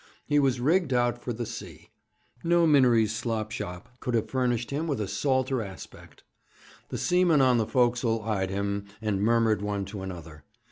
He was rigged out for the sea. No Minories slop shop could have furnished him with a salter aspect. The seamen on the forecastle eyed him, and murmured one to another.